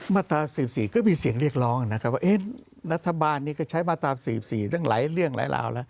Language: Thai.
มาตรา๔๔ก็มีเสียงเรียกร้องนะครับว่ารัฐบาลนี้ก็ใช้มาตรา๔๔ตั้งหลายเรื่องหลายราวแล้ว